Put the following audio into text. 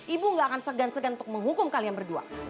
ibu gak akan segan segan untuk menghukum kalian berdua